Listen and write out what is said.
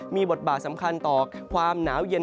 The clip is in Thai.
มีบทบาทสำคัญต่อความหนาวเย็น